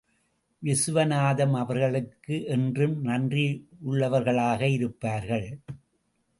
விசுவநாதம் அவர்களுக்கு என்றும் நன்றியுள்ளவர்களாக இருப்பார்கள்.